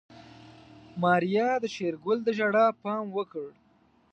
ماريا د شېرګل د ژړا پام وکړ.